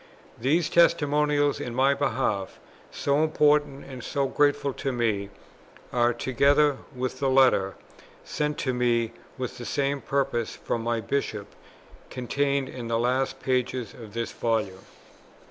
These testimonials in my behalf, so important and so grateful to me, are, together with the Letter, sent to me with the same purpose, from my Bishop, contained in the last pages of this Volume.